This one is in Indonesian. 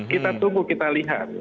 kita tunggu kita lihat